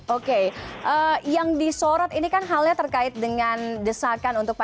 oke yang disorot ini kan halnya terkait dengan desakan untuk pak